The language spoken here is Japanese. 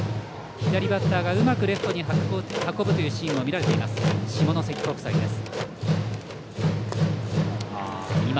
左バッターが、うまくレフトに運ぶというシーンが見られています、下関国際です。